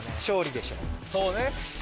勝利でしょうそうね